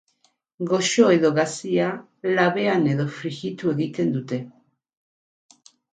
Goxo edo gazia, labean edo frijitu egiten dute.